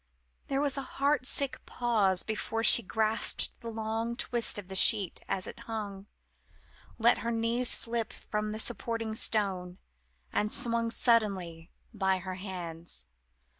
There was a heart sick pause before she grasped the long twist of the sheet as it hung let her knees slip from the supporting stone and swung suddenly, by her hands.